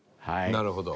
なるほど。